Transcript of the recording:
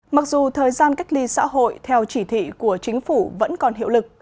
mặc dù thời gian cách ly xã hội theo chỉ thị của chính phủ vẫn còn hiệu lực